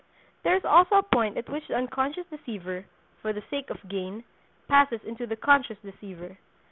There is also a point at which the unconscious deceiver, for the sake of gain, passes into the conscious deceiver.